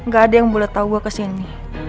gak ada yang boleh tahu gue kesini